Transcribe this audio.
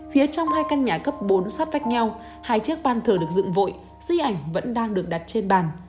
phía trong hai căn nhà cấp bốn sát vách nhau hai chiếc ban thờ được dựng vội di ảnh vẫn đang được đặt trên bàn